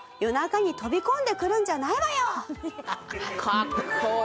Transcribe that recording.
かっこいい。